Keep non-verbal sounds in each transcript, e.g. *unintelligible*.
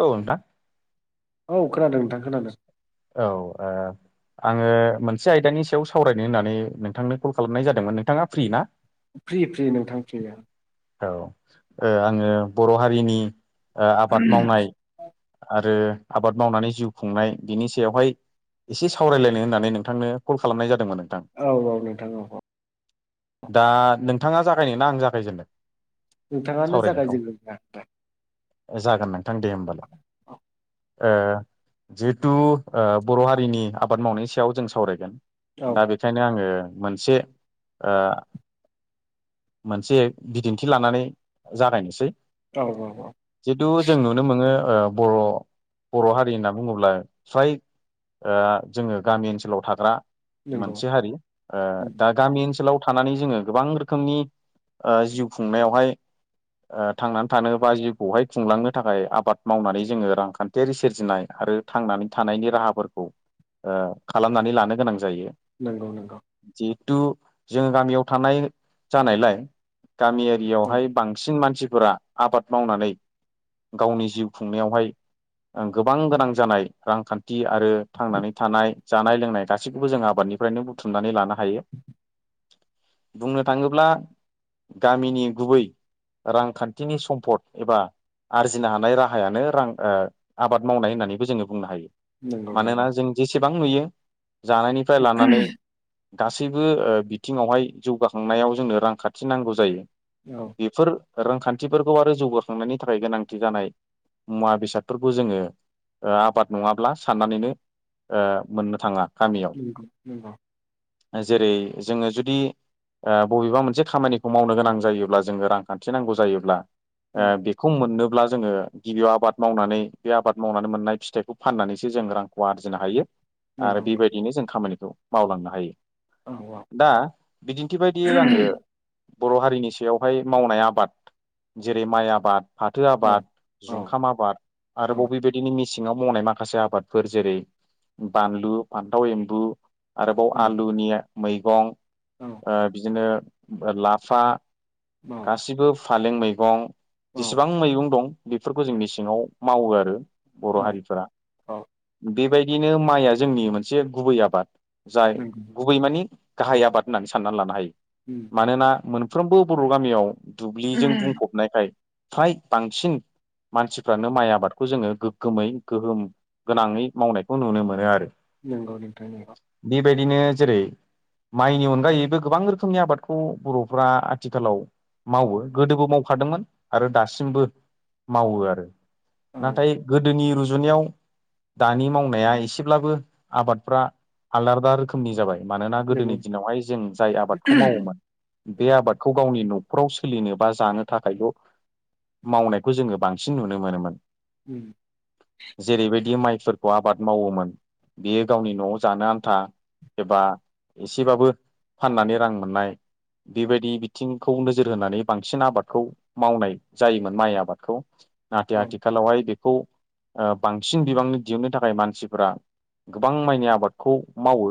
औ नोंथां औ खोनादों नोंथां खोनादों औ ओ आङो मोनसे आयदानि सायाव सावरायनो होननानै नोंथांनो कल खालामनाय जादोंमोन नोंथाङा फ्रि ना फ्रि फ्रि नोंथां फ्रिया औ आङो बर' हारिनि आबाद मावनाय आरो आबाद मावनानै जिउ खुंनाय बिनि सायावहाय एसे सावरायलायनो होननानै नोंथांनो कल खालामनाय जादोंमोन नोंथां औ औ नोंथां औ औ दा नोंथाङा जागायनो ना आं जागायनो नोंथाङानो जागायजेनदों नोंथां ए जागोन नोंथां दे होमबालाय जिहेथु बर' हारिनि आबाद मावनायनि सायाव जों सावरायगोन दा औ बेखायनो आङो मोनसे मोनसे बिदिन्थि लानानै जागायनोसै औ औ जिहेतु जों नुनो मोनो बर' बर' हारि होनना बुङोब्ला फ्राय *unintelligible* नंगौ मोनसे हारि ओ जिउ ओ थांनानै थानो बा जिउखौहाय खुंलांनो थाखाय आबाद माव आरो थांनानै थानाय नंगौ *unintelligible* औ गामिआरियावहाय बांसिन मानसि गावनि जिउ खुंनायावहाय गोबां गोनां जानाय रांखान्थि थि आरो थांनानै थानाय जानाय लोंनाय गासैखौबो जों आबादनिफ्रायनो बुथुम बुंनो थाङोब्ला गामिनि गुबै रांखान्थिनि सम्पद एबा आरजिनो हानाय राहायानो रां आबाद मावनाय होननानैबो जोङो बुंनो हायो नंगौ नंगौ मानोना जों जेसेबां नुयो जानायनिफ्राय लानानै गासैबो बिथिङावहाय जौगाखांनायाव जोंनो रांखाान्थि नांगौ जायो औ बेफोर रांखान्थिफोरखौ आरो जौगाखांनायनि थाखाय गोनांथि जानाय मुवा बेसादफोरखौ जोङो ओ आबाद नङाब्ला साननानैनो ओ मोननो थाङा गामियाव नंगौ नोंथां जेरै जोङो जुदि ओ बबेबा मोनसे खामानिखौ मावनो गोनां जायोब्ला जों रांखान्थि नांगौ जायोब्ला औ ओ बेखौ मोननो ब्ला जोङो गिबियाव आबाद मावनानै बे आबाद मावनानै मोननाय फिथाइखौ फाननानैसो जों रांखौ आरजिनो हायो आरो नंगौ बेबायदिनो जों खामानिखौ मावलांनो हायो। औ औ दा बिदिन्थि बायदियै आङो बर' हारिनि सायावहाय मावनाय आबाद जेरै माइ आबाद फाथो औ आबाद औ जुंखाम आबाद औ आरोबाव बेबायदिनो मि सिङाव मावनाय माखासे आबादफोर जेरै बानलु फान्थाव एम्बु आरोबाव आलुनि मैगं औ ओ बिदिनो लाफा गासिबो फालें मैगं औ जेसेबां मैगं दं बेफोरखौ जोंनि मेसिङाव मावो आरो बर' औ हारिफोरा बेबायदिनो माइया जोंनि मोनसे गुबै आबाद जाय नंगौ गुबै माने गाहाय आबाद होननानै साननानै लानो हायो मानोना मोनफ्रोमबो बर' गामियाव दुब्लिजों बुंफबनायखाय फ्राय बांसिन मानसिफ्रानो माइ आबादखौ जोङो गोगोमै गोहोम गोनाङै मावनायखौ नुनो मोनो आरो। नंगौ नोंथां नंगौ। बेबायदिनो जेरै माइनि अनगायैबो गोबां रोखोमनि आबाद खौ बर'फ्रा आथिखालाव मावो गोदोबो मावखादोंमोन आरो दासिमबो मावो आरो औ नाथाय गोदोनि रुजु जुनायाव दानि मावनाया एसेब्लाबो आबादफ्रा आलादा रोखोमनि जाबाय मानोना गोदोनि नंगौ दिनावहाय जों जाय आबादखौ मावोमोन बे आबादखौ गावनि न'खराव सोलिनो बा जानो थाखायल' मावनायखौ जोङो बांसिन नुनो मोनोमोन। उम जेरैबायदि माइफोरखौ आबाद मावोमोन बियो गावनि न'आव जानो आन्था एबा एसेबाबो फाननानै रां मोननाय बेबायदि बिथिंखौ नोजोर होनानै बांसिन आबादखौ मावनाय जायोमोन माइ आबादखौ नाथाय औ आथिखालावहाय बेखौ बांसिन बिबांनि दिहुननो थाखाय मानसिफोरा गोबां माइनि आबादखौ मावो।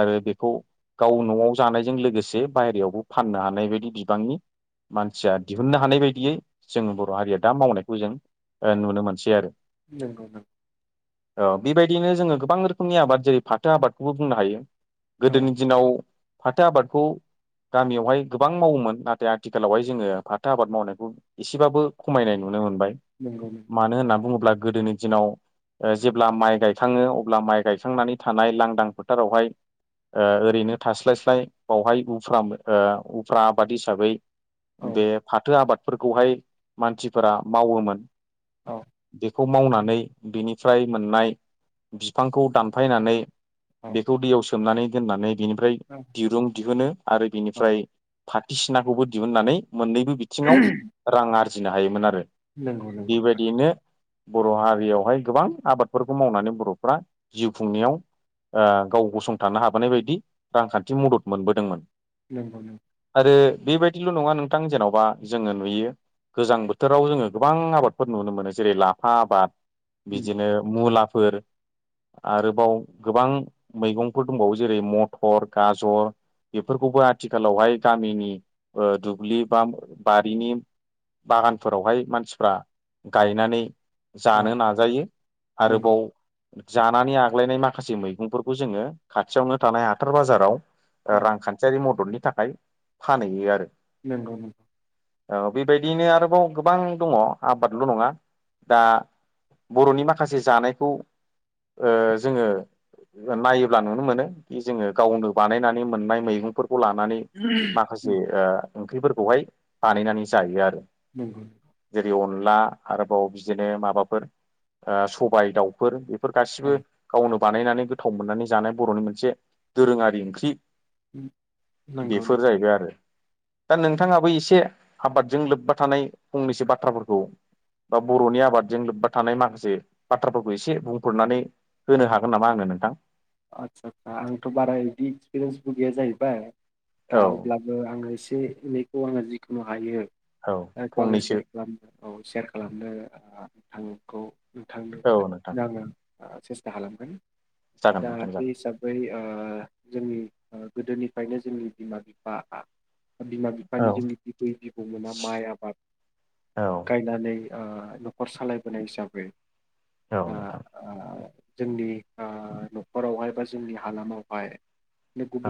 आरो बेखौ गाव न'आव जानायजों लोगोसे बाहेरायावबो फाननो हानाय बायदि बिबांनि मानसिया दिहुननो हानाय बायदियै जों बर' हारिया दा मावनायखौ जों ओ नुनो मोनसै आरो। नंगौ नों औ बेबायदिनो जोङो गोबां रोखोमनि आबाद जेरै फाथो आबादखौबो बुंनो हायो। औ गोदोनि दिनाव फाथो आबादखौ गामियावहाय गोबां मावोमोन नाथाय आथिखालावहाय जोङो फाथो आबाद मावनायखौ एसेबाबो खमायनाय नुनो मोन बाय नंगौ नंगौ मानो होनना बुङोब्ला गोदोनि दिनाव ओ जेब्ला माइ गायखाङो अब्ला माइ गायखांनानै थानाय लांदां फोथारावहाय ओ ओरैनो थास्लाय स्लाय बावहाय फ्राम ओ उफ्रा आबाद हिसाबै औ बे फाथो आबाद फोरखौहाय मानसिफोरा मावोमोन। औ खौ मावनानै बेनिफ्राय मोननाय बिफांखौ दानफायनानै औ बेखौ दैयाव सोमनानै दोननानै बेनिफ्राय दिरुं दिहुनो आरो औ बिनिफ्राय फाथिसिनाखौबो दिहुननानै मोननैबो बिथिङाव रां आरजिनो हायोमोन आरो नोंगौ नोंगौ। बेबायदियैनो बर' हारियावहाय गोबां आबादफोरखौ मावनानै बर'फ्रा जिउ खुंनायाव ओ गाव गसंथानो हाबोनाय बायदि रांखान्थि मदद मोनबोदोंमोन। नंगौ नंगौ। बे बेबायदिल' नङा नोंथां जेन'बा जोङो नुयो गोजां बोथोराव जोङो गोबां आबादफोर नुनो मोनो जेरै लाफा आबाद उम, बिदिनो मुला फोर आरोबाव गोबां मैगंफोर दंबावो जेरै मटर गाजर बेफोरखौबो आथिखालावहाय गामिनि ओ दुब्लि बा बारिनि बागानफोरावहाय मानसिफ्रा गायनानै जानो औ नाजायो नंगौ आरोबाव जानानै आग्लायनाय माखासे मैगंफोरखौ जोङो खाथियावनो थानाय हाथार बाजाराव औ रांखान्थियारि मददनि थाखाय फानहैयो आरो नंगौ नोंगौ औ बेबायदियैनो आरोबाव गोबां दङ आबादल' नङा दा बर'नि माखासे जानायखौ ओ जोङो नायोब्ला नुनो मोनो जोङो गावनो बानायनानै मोननाय मैगं खौ लानानै माखासे उम, ओ ओंख्रिफोरखौहाय बानायनानै जायो आरो *unintelligible* जेरै अनला आरोबाव बिदिनो माबाफोर ओ सबाय दाउफोर फोर औ गासिबो गावनो बानायनानै गोथाव मोननानै जानाय बर'नि मोनसे दोरोङारि ओंख्रि उम, नंगौ बेफोर नंगौ जाहैबाय आरो दा नोंथाङाबो एसे आबादजों लोब्बा थानाय फंनैसो बाथ्राफोरखौ बा बर'नि आबादजों लोब्बा थानाय माखासे बाथ्राफोरखौ एसे बुंफोरनानै होनो हागोन नामा आंनो नोंथां? आस्सा दा आंथ' बारा बिदि एक्सपिरियेन्सबो गैया जाहैबाय दा औ अब्लाबो आङो एसे एनैखौ आङो जिखुनु हायो औ जायखौ आङो फंनैसो सेयार खालामनो औ सेयार खालामनो *unintelligible* थांनो औ नोंथां दा आङो सेस्था खालामगोन जागोन दा नोंथां बे जागोन हिसाबै ओ जोंनि गोदोनिफ्रायनो जोंनि बिमा बिफा बिमा औ बिफानि जोंनि बिबै बिबौमोना माइ आबाद औ गायनानै ओ न'खर सालायबोनाय हिसाबै औ ओ नोंथां जोंनि ओ न'खरावहाय बा जोंनि हालामावहाय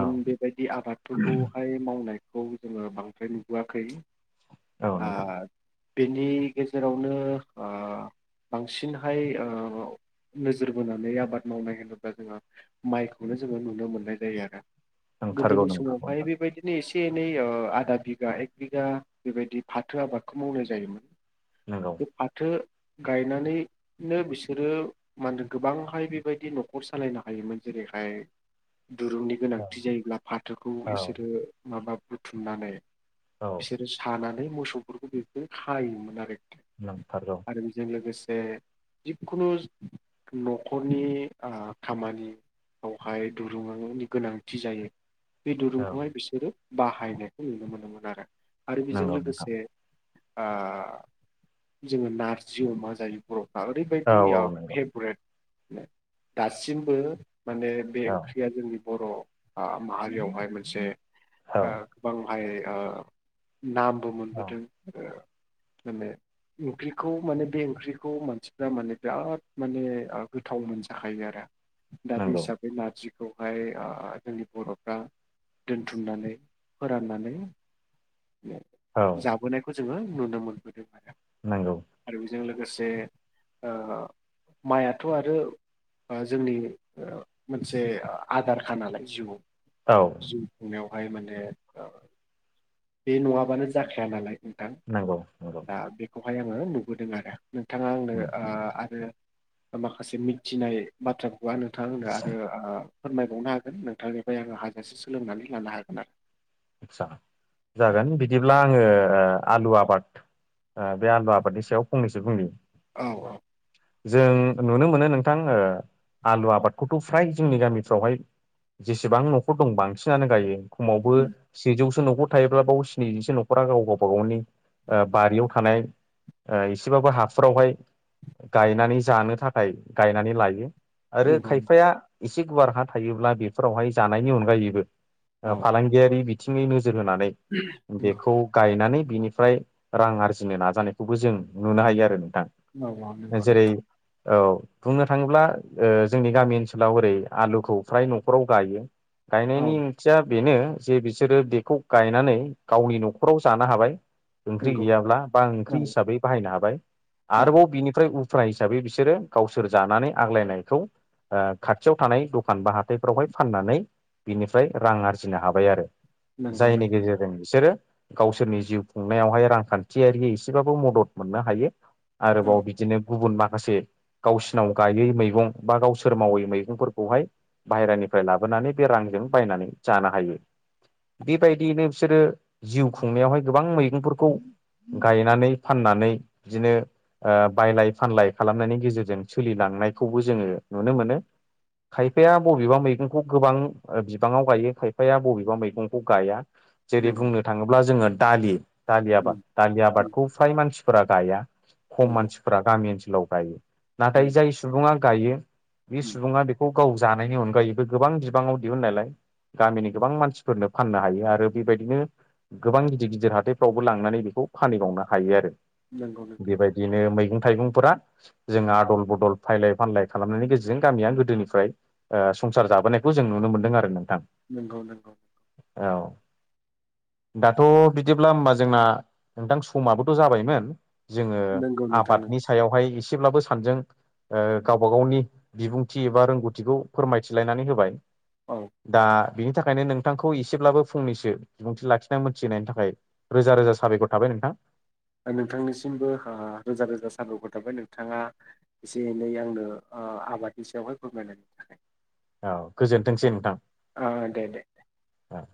औ बेबायदि आबादफोरखौहाय मावनायखौ जोङो बांद्राय नुबोआखै औ नोंथां आं बेनि गेजेरावनो ओ बांसिनहाय ओ नोजोर बोनानै आबाद मावनाय होनो *unintelligible* जोंआ माइखौनो जोङो नुनो मोननाय जायो आरो नोंथारगौ गोदोनि नोंथारगौ समावहाय नोंथां बेबायदिनो एसे‌ एसे एनै ओ आदा बिगा एक बिगा बेबायदि फाथो आबादखौ मावनाय जायोमोन। नंगौ *inaudible* बे फाथो गायनानैनो बिसोरो मान गोबांहाय बेबायदि न'खर खर सालायनो हायोमोन जेरैहाय दुरुंनि औ गोनांथि जायोब्ला फाथोखौ इसोरो माबा बुथुमनानै औ बिसोरो सानानै मोसौफोरखौ बेफोरजों खायोमोन आरो नंथारगौ आरो बेजों लोगोसे जिखुनु न'खरनि खामानियावहाय दुरुंङनि गोनांथि जायो बे औ दुरुंखौहाय बिसोरो बाहायनायखौ नुनो मोनोमोन आरो आरो बेजों नंगौ नोंथां लोगोसे आं जोङो नारजि अमा जायो बर'फ्रा औ ओरैबायदि औ नंगौ फेभरेट दासिमबो माने बे औ ओंख्रिया जोंनि बर' ओ माहारियावहाय मोनसे औ ओ गोबांहाय ओ नामबो औ मोनबोदों माने ओंख्रिखौ माने बे ओंख्रिखौ मानसिफ्रा माने बिराद माने गोथाव मोनसो खायो आरो दा बे नंगौ हिसाबै नारजि बखौहाय आ जोंनि बर'फ्रा दोनथुमनानै फोराननानै औ जाबोनायखौ जोंओ नुनो मोनदों। नोंगौ जों लोगोसे ओ माइआथ' आरो ओ जोंनि ओ मोनसे ओ आदारखा नालाय जिउआव औ जिउ खुंनायावहाय माने ओ बे नङाबानो जाखाया नालाय नोंगौ नोंगौ। खौहाय आङो नुबोदों आरो। नोंथाङा आंनो आरो माखासे मिथिनाय बाथ्राखौहाय नोंथांआ आंनो आरो आ फोरमायबावनो हागोन नोंथांनिफ्राय आंङो हाजासे सोलोंनानै लानो हागोन आरो। आटसा जागोन बिदिब्ला आङो आलु आबाद आ बे आलु आबादनि सायाव फंनैसो बुंनि। औ औ। जों नुनो मोनो नोंथां ओ आलु आबादखौथ' फ्राय जोंनि गामिफ्रावहाय जेसेबां न'खर दं बांसिनानो गायो खमावबो उम सेजौ न'खर थायोब्ला बाव स्निजिसो न'खरा गाव गावबा गावनि बारियाव थानाय एसेबाबो हाफ्रावहाय गायनानै जानो थाखाय गायनानै लायो। आरो नंगौ खायफाया एसे गुवार हा थायोब्ला बेफोरावहाय जानायनि अनगायैबो औ फालांगियारि बिथिङैनि नो जोर होनानै नंगौ बेखौ गायनानै बिनिफ्राय रां आरजिनो नाजानायखौबो जों नुनो हायो आरो नोंथां। औ नोगौ नोंगौ। जेरै औ बुंनो थाङोब्ला ओ जोंनि गामि ओनसोलाव ओरै आलुखौ फ्राय न'खराव गायो। औ गायनायनि ओंथिया बेनो जे बिसोरो बेखौ गायनानै गावनि न'खराव जानो हाबाय। ओंख्रि नंगौ गैयाब्ला बा ओंख्रि नंगौ हिसाबै बाहायनो हाबाय औ नंगौ औ आरोबाव बिनि *unintelligible* उफ्रा हिसाबै बिसोरो गावसोर जानानै आग्लायनायखौ आ खाथियाव थानाय दखान बा हाथायफ्रावहाय फाननानै बिनिफ्राय रां आरजिनो हाबाय आरो। नंगौ जायनि नोंथां गेजेरजों बिसोरो गावसोरनि जिउ खुंनायावहाय रांखान्थियारियै एसेबाबो मदद मोननो हायो आरोबाव औ बि दिनो गुबुन माखासे गावसिनाव गायै मैगं बा गावसोर मावै मैगंफोरखौहाय बायह्रानिफ्राय लाबोनानै बे रांजों बायनानै जानो हायो। बेबायदियैनो बिसोरो जिउ खुंनायावहाय गोबां मैगंफोरखौ गायनानै फाननानै बिदिनो ओ बायलाय फानलाय खालामनायनि गेजेरजों सोलिलांनायखौबो जोङो नुनो मोनो। खायफाया बबेबा मैगंखौ गोबां बिबाङाव गायो खायफाया बबेबा मैगंखौ गाया। जेरै नंगौ बुंनो थाङोब्ला जोङो दालि दालि नंगौ आबाद दालि आबादखौ फ्राय मानसि फोरा गया खम नंगौ मानसिफोरा गामि ओनसोलाव गायो। नों नाथाय जाय सुबुङा गायो बे उम सुबुङा बेखौ गाव जानायनि अनगायै बे गोबां बिबाङाव दिहुननायालाय गामिनि गोबां मानसिफोरनो फाननो हायो आरो बेबायदिनो गोबां गिदिर गिदिर हाथायफ्रावबो लांनानै बेखौ फानहैबावनो हायो आरो। नंगौ नोंथां बेबायदिनो मैं गं थायगंफोरा जों आदल बदल फायलाय फानलाय खालामनायनि गेजेरजों गामिया गोदोनिफ्राय ओ संसार जाबोनायखौ जों नुनो मोनदों आरो नोंथां। नोंगौ नोंगौ। औ। दाथ' बिदिब्ला होमबा जोंना नोंथां समाबोथ' जाबायमोन। जोङो नंगौ नोंथां आबाद नंगौ यावहाय एसेब्लाबो सानजों ओ गावबा गावनि बिबुंथि एबा रोंगौथिखौ फोरमायथिलायनानै होबाय। औ दा बिनि थाखायनो नोंथांखौ एसेब्लाबो फंनैसो बिबुंथि लाखिनानै मोनथिहोनायनि थाखाय रोजा रोजा साबायखर थाबाय नों थां। नोंथांनिसिमबो ओ रोजा रोजा साब'खर थाबाय। नोंथाङा एसे एनै आंनो ओ आबादनि सायावहाय फोरमायनायनि थाखाय। औ दे गोजोनथोंसै नोंथां। ओ दे दे। औ।